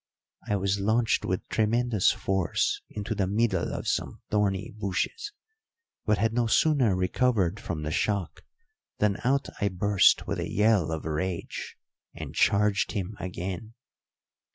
I was launched with tremendous force into the middle of some thorny bushes, but had no sooner recovered from the shock than out I burst with a yell of rage and charged him again.